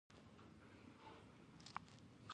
هر انسان باید خپله لاره وټاکي.